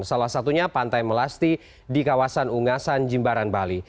salah satunya pantai melasti di kawasan ungasan jimbaran bali